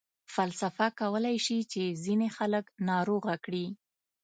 فلسفه کولای شي چې ځینې خلک ناروغه کړي.